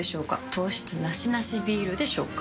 糖質ナシナシビールでしょうか？